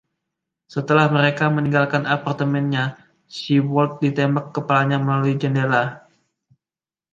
Setelah mereka meninggalkan apartemennya, Siebold ditembak kepalanya melalui jendela.